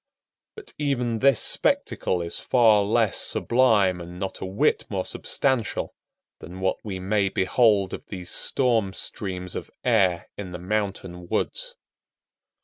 But even this spectacle is far less sublime and not a whit more substantial than what we may behold of these storm streams of air in the mountain woods.